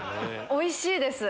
おいしいです